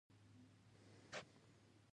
هماغسې مې وکړل، دوړه لا نه وه ناسته